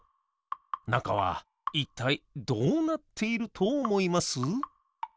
なかはいったいどうなっているとおもいます？